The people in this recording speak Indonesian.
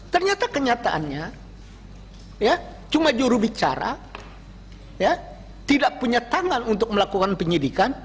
ternyata kenyataannya ya cuma juru bicara ya tidak punya tangan untuk melakukan penyibukannya